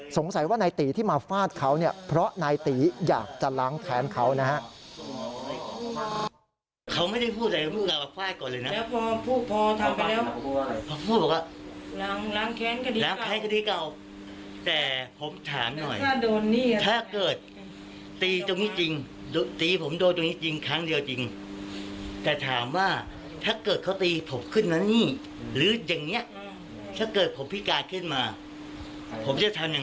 สงสัยว่านายตีที่มาฟาดเขาเนี่ยเพราะนายตีอยากจะล้างแค้นเขานะฮะ